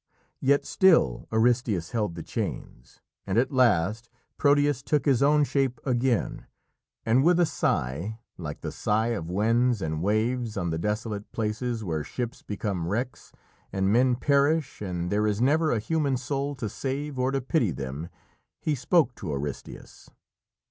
Yet still Aristæus held the chains, and at last Proteus took his own shape again, and with a sigh like the sigh of winds and waves on the desolate places where ships become wrecks, and men perish and there is never a human soul to save or to pity them, he spoke to Aristæus.